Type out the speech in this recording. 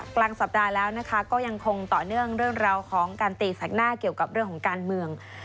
กลางสัปดาห์แล้วนะคะก็ยังคงต่อเนื่องเรื่องราวของการตีแสกหน้าเกี่ยวกับเรื่องของการเมือง